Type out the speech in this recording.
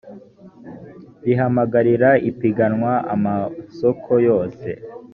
rihamagarira ipiganwa amasoko yose